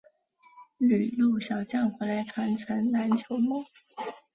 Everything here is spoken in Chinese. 旅陆小将回来传承篮球梦